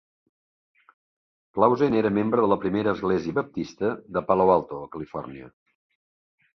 Clausen era membre de la Primera Església Baptista de Palo Alto, Califòrnia.